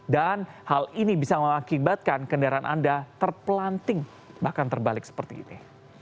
dan hal ini bisa mengakibatkan kendaraan anda terpelanting bahkan terbalik seperti ini